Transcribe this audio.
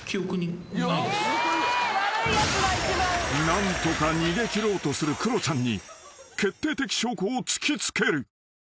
［何とか逃げ切ろうとするクロちゃんに決定的証拠を突き付ける］